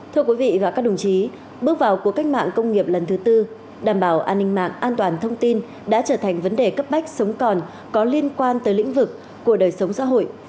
thưa quý vị và các đồng chí bước vào cuộc cách mạng công nghiệp lần thứ tư đảm bảo an ninh mạng an toàn thông tin đã trở thành vấn đề cấp bách sống còn có liên quan tới lĩnh vực của đời sống xã hội